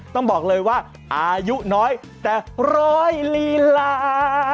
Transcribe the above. ต้องบอกเลยว่าอายุน้อยแต่ร้อยลีลา